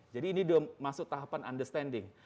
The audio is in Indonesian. jadi ini masuk tahapan understanding